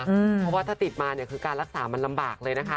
เพราะว่าถ้าติดมาเนี่ยคือการรักษามันลำบากเลยนะคะ